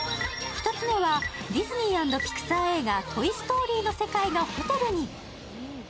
１つ目はディズニー＆ピクサー映画「トイ・ストーリー」の世界がホテルに。